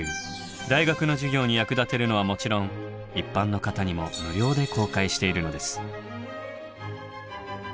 大学の授業に役立てるのはもちろん一般の方にも無料で公開しているのです。